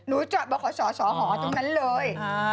นายจอดบ่อยขอสอสอหกรุงนั้นเลย